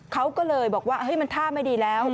เขาก็เลยบอกว่ามันท่าไม่ดีแล้ว